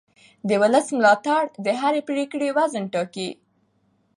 د ولس ملاتړ د هرې پرېکړې وزن ټاکي